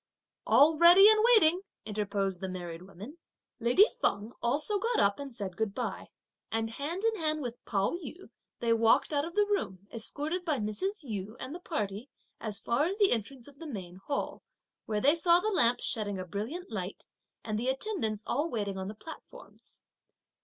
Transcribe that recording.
"All ready and waiting," interposed the married women. Lady Feng also got up, said good bye, and hand in hand with Pao yü, they walked out of the room, escorted by Mrs. Yu and the party, as far as the entrance of the Main Hall, where they saw the lamps shedding a brilliant light and the attendants all waiting on the platforms.